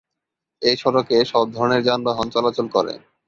এ সড়কে সব ধরনের যানবাহন চলাচল করে।